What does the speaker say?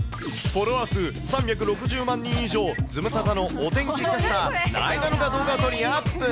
フォロワー数３６０万人以上、ズムサタのお天気キャスター、なえなのが動画を撮り、アップ。